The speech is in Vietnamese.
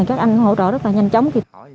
các anh hỗ trợ rất là nhanh chóng